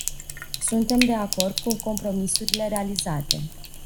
Suntem de acord cu compromisurile realizate.